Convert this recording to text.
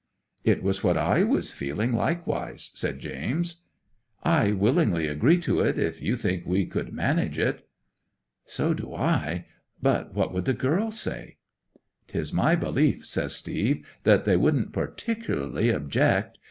'"It was what I was feeling likewise," said James. '"I willingly agree to it, if you think we could manage it." '"So do I. But what would the girls say?" '"'Tis my belief," said Steve, "that they wouldn't particularly object.